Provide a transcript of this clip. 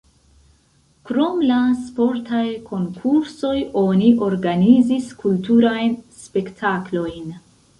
Krom la sportaj konkursoj oni organizis kulturajn spektaklojn.